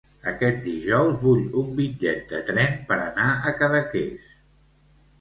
Aquest dijous vull un bitllet de tren per anar a Cadaqués.